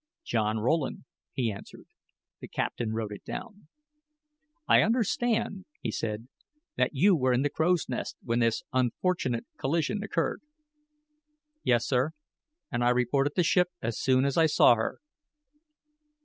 "John Rowland," he answered. The captain wrote it down. "I understand," he said, "that you were in the crow's nest when this unfortunate collision occurred." "Yes, sir; and I reported the ship as soon as I saw her."